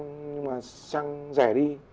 nhưng mà xăng rẻ đi